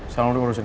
selalu diurusin ya